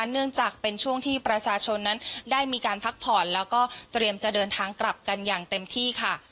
เนื่องจากเป็นช่วงที่ประชาชนนั้นได้มีการพักผ่อนแล้วก็เตรียมจะเดินทางกลับกันอย่างเต็มที่ค่ะ